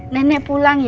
nenek pulang ya